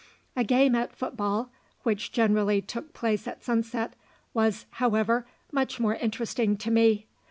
A game at foot ball, which generally took place at sunset, was, however, much more interesting to me.